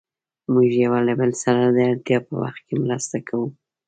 موږ يو له بل سره د اړتیا په وخت کې مرسته کوو.